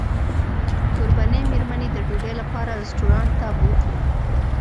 کوربنې مېرمنې د ډوډۍ لپاره رسټورانټ ته بوتلو.